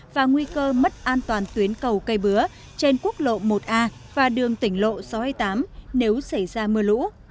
và nguy cơ mất an toàn tuyến cầu cây bứa trên quốc lộ một a và đường tỉnh lộ sáu mươi tám nếu xảy ra mưa lũ